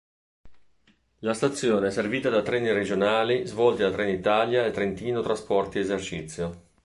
La stazione è servita da treni regionali svolti da Trenitalia e Trentino Trasporti Esercizio.